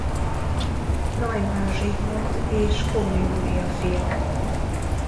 Neumann Zsigmond és Kohn Júlia fia.